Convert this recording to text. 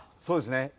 そうですね。